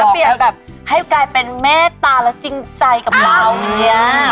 เปลี่ยนแบบให้กลายเป็นแม่ตาแล้วจริงใจกับเรากันเนี่ย